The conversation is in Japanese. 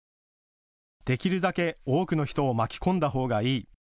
できるだけ多くの人を巻き込んだほうがいい。